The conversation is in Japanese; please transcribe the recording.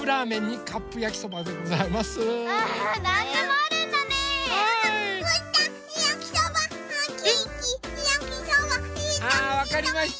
あわかりました。